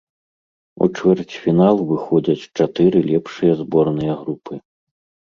У чвэрцьфінал выходзяць чатыры лепшыя зборныя групы.